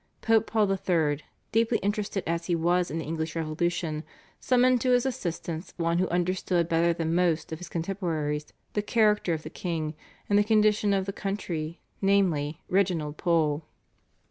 Pope Paul III., deeply interested as he was in the English revolution, summoned to his assistance one who understood better than most of his contemporaries the character of the king and the condition of the country, namely, Reginald Pole.